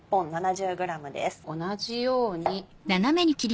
同じように。